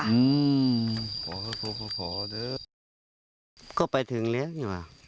อ่าอออออออออด้วย